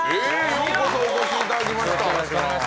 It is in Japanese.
ようこそお越しいただきました。